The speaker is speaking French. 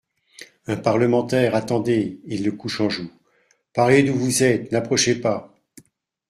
Un parlementaire, attendez ! (Il le couche en joue.) Parlez d'où vous êtes, n'approchez pas.